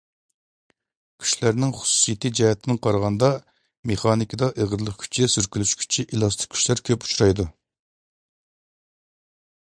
كۈچلەرنىڭ خۇسۇسىيىتى جەھەتتىن قارىغاندا، مېخانىكىدا ئېغىرلىق كۈچى، سۈركىلىش كۈچى، ئېلاستىك كۈچلەر كۆپ ئۇچرايدۇ.